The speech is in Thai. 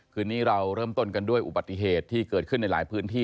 คืนนี้เราเริ่มต้นกันด้วยอุบัติเหตุที่เกิดขึ้นในหลายพื้นที่